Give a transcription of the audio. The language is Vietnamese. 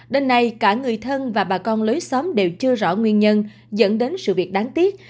đến nay cả người thân và bà con lối xóm đều chưa rõ nguyên nhân dẫn đến sự việc đáng tiếc